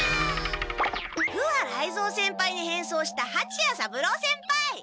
不破雷蔵先輩に変装したはちや三郎先輩！